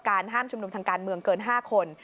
ห้ามชุมนุมทางการเมืองเกิน๕คน